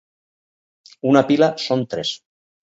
Una pila són tres.